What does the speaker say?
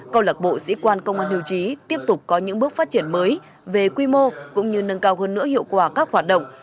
câu lạc bộ sĩ quan công an hưu trí tiếp tục có những bước phát triển mới về quy mô cũng như nâng cao hơn nữa hiệu quả các hoạt động